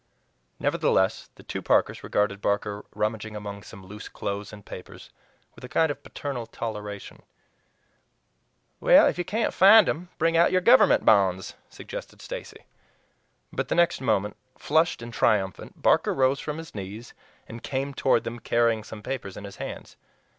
Nevertheless the two partners regarded Barker rummaging among some loose clothes and papers with a kind of paternal toleration. "If you can't find them, bring out your government bonds," suggested Stacy. But the next moment, flushed and triumphant, Barker rose from his knees, and came toward them carrying some papers in his hands.